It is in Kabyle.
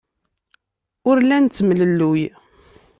Ur la nettemlelluy.